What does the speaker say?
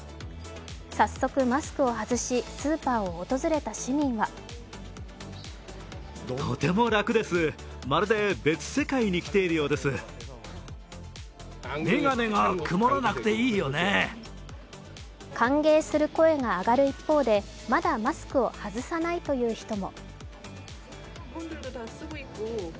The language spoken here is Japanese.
早速マスクを外し、スーパーを訪れた市民は歓迎する声が上がる一方で、まだマスクを外さないという人も。